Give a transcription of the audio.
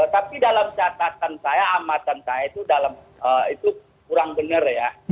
tapi dalam catatan saya amatan saya itu kurang benar ya